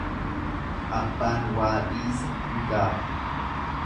Abbaan waa dhiise hin gaabbu.